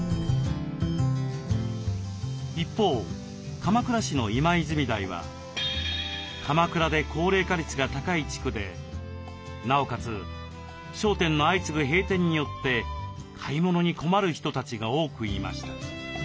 一方鎌倉市の今泉台は鎌倉で高齢化率が高い地区でなおかつ商店の相次ぐ閉店によって買い物に困る人たちが多くいました。